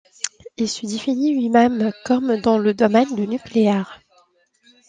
Il se définit lui-même comme dans le domaine du nucléaire.